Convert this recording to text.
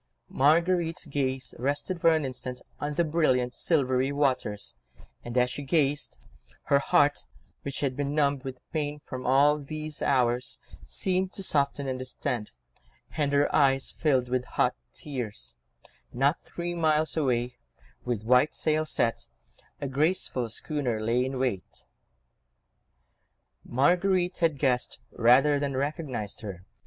Marguerite's gaze rested for an instant on the brilliant, silvery waters; and as she gazed, her heart, which had been numb with pain for all these hours, seemed to soften and distend, and her eyes filled with hot tears: not three miles away, with white sails set, a graceful schooner lay in wait. Marguerite had guessed rather than recognised her.